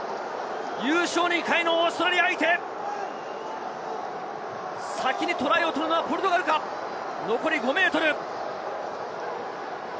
優勝２回のオーストラリア相手、先にトライを取るのはポルトガルか、残り５ｍ。